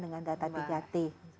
dengan data tiga t